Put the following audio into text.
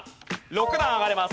６段上がれます。